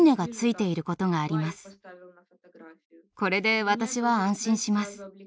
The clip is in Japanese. これで私は安心します。